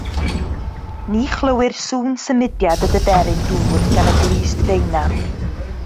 Ni chlywir sŵn symudiad y diferyn dŵr gan y glust feinaf.